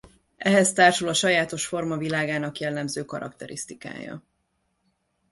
Ehhez társul a sajátos formavilágának jellemző karakterisztikája.